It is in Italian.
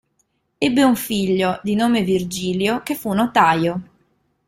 Ebbe un figlio, di nome Virgilio, che fu notaio.